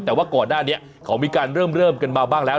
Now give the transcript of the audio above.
แต่ว่าก่อนหน้านี้เขามีการเริ่มกันมาบ้างแล้ว